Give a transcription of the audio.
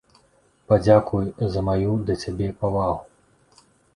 Падзякуй за маю да цябе павагу.